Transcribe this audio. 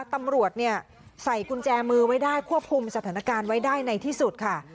ตำรวจใส่กุญแจมือไว้ได้ควบคุมสถานการณ์ไว้ได้ในที่สุดค่ะ